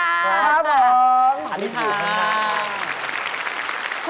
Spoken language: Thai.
ครับผมขอบคุณค่ะขอบคุณค่ะขอบคุณค่ะ